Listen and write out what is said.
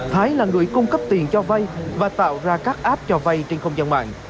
thái là người cung cấp tiền cho vay và tạo ra các app cho vay trên không gian mạng